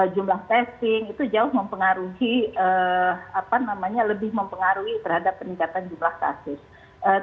jumlah testing itu jauh mempengaruhi lebih mempengaruhi terhadap peningkatan jumlah kasus